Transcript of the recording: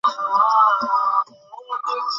সে তোমাকে বলবে, তুমি তার নাতনি।